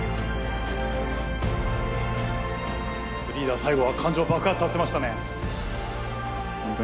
リーダー最後は感情を爆発させましたね。